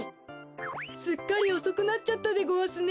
すっかりおそくなっちゃったでごわすね。